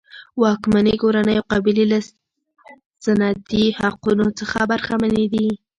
واکمنې کورنۍ او قبیلې له سنتي حقونو څخه برخمنې دي.